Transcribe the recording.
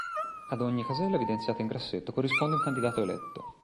Ad ogni casella evidenziata in grassetto corrisponde un candidato eletto.